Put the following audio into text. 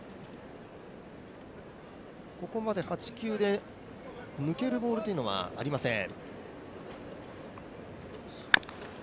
ここまで８球で、抜けるボールというのはありません。